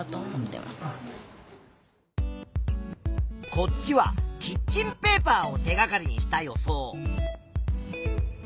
こっちはキッチンペーパーを手がかりにした予想。